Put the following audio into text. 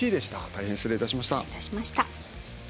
大変失礼いたしました。